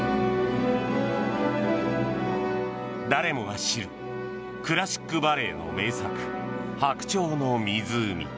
誰もが知るクラシックバレエの名作「白鳥の湖」。